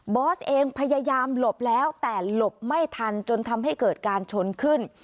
อสเองพยายามหลบแล้วแต่หลบไม่ทันจนทำให้เกิดการชนขึ้น